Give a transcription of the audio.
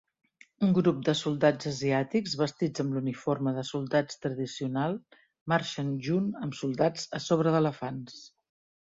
Un grup de soldats asiàtics vestits amb l'uniforme de soldats tradicional marxen junt amb soldats a sobre d'elefants.